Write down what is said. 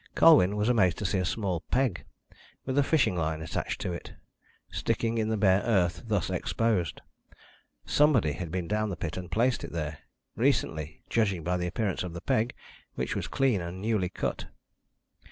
Colwyn was amazed to see a small peg, with a fishing line attached to it, sticking in the bare earth thus exposed. Somebody had been down the pit and placed it there recently, judging by the appearance of the peg, which was clean and newly cut.